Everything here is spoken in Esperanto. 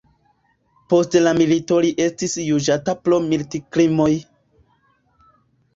Post la milito li estis juĝata pro militkrimoj.